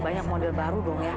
banyak model baru dong ya